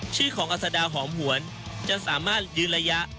ชื่อของอัศดาหอมหวนจะสามารถยืนระยะ